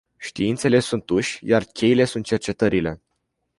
Științele sunt uși, iar cheile sunt cercetările.